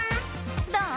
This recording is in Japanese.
どう？